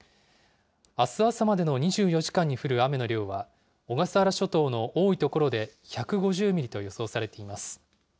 あす朝までの２４時間に降る雨の量は、小笠原諸島の多い所で１５０ミリと予想されています。